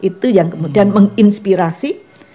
itu yang kemudian menginspirasi